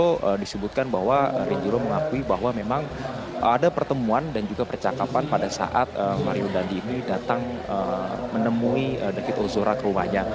itu disebutkan bahwa rinjuro mengakui bahwa memang ada pertemuan dan juga percakapan pada saat mario dandi ini datang menemui david ozora ke rumahnya